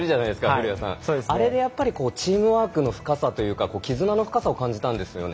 古屋さん、あれでやっぱりチームワークの深さというか絆の深さを感じたんですよね。